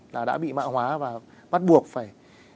là đã bị mã hóa và bắt buộc phải